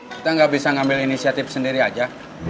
kita nggak bisa ngambil inisiatif sendiri aja